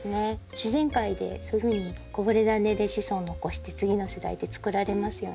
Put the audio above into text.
自然界でそういうふうにこぼれダネで子孫を残して次の世代ってつくられますよね。